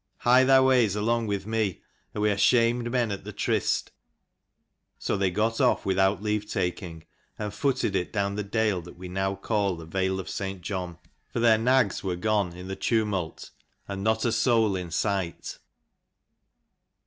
Hie thy ways along with me, or we are shamed men at the tryst." So they got off without leavetaking, and footed it down the dale that now we call the vale of St. John : for cc 217 their nags were, gone in the tumult, and not a soul in sight.